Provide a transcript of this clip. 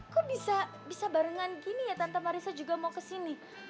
kok bisa bisa barengan gini ya tante marissa juga mau ke sini